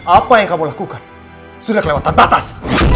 apa yang kamu lakukan sudah kelewatan batas